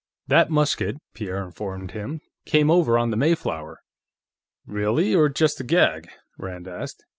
"That musket," Pierre informed him, "came over on the Mayflower." "Really, or just a gag?" Rand asked.